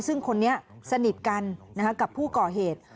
ซึ่งคนนี้สนิทกันกับผู้ก่อเหตุ